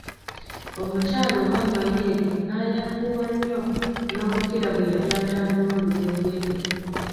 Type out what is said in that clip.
Omukyala olwamala ebyo nayanguwa nnyo nokukira bwe yali atambula olubereberye.